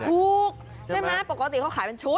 ถูกใช่ไหมปกติเขาขายเป็นชุด